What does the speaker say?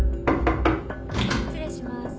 ・失礼します。